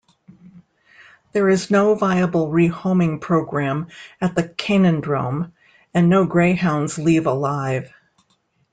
There is no viable rehoming program at the Canidrome, and no greyhounds leave alive.